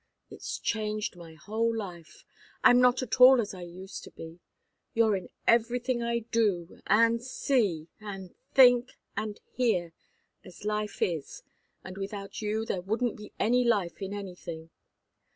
It's changed my whole life. I'm not at all as I used to be. You're in everything I do, and see, and think, and hear, as life is and without you there wouldn't be any life in anything.